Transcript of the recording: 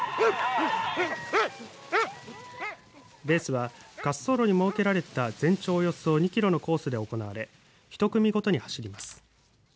レースは滑走路に設けられた全長およそ２キロのコースで行われ１組ごとに走ります。